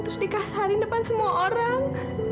terus dikasarin depan semua orang